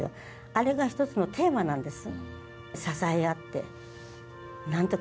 あれが１つのテーマなんです。